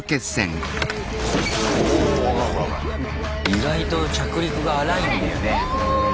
意外と着陸が荒いんだよね。